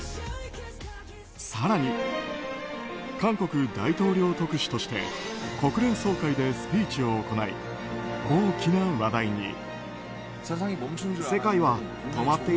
更に、韓国大統領特使として国連総会でスピーチを行い大きな話題に。